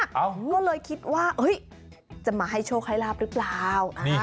ก็เลยคิดว่าจะมาให้โชคให้ลาบหรือเปล่า